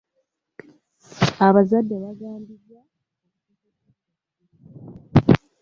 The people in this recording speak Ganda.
Abazadde bagambibwa obutasasulira kugemesa.